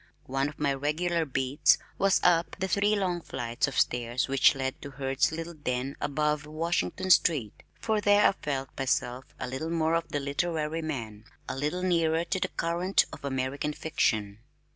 One of my regular "beats" was up the three long flights of stairs which led to Hurd's little den above Washington Street, for there I felt myself a little more of the literary man, a little nearer the current of American fiction.